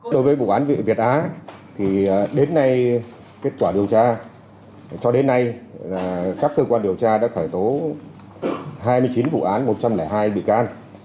đối với vụ án vị việt á thì đến nay kết quả điều tra cho đến nay các cơ quan điều tra đã khởi tố hai mươi chín vụ án một trăm linh hai bị can